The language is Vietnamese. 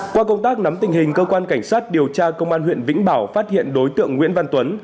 qua công tác nắm tình hình cơ quan cảnh sát điều tra công an huyện vĩnh bảo phát hiện đối tượng nguyễn văn tuấn